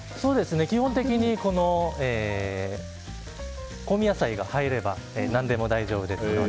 基本的に香味野菜が入れば何でも大丈夫です。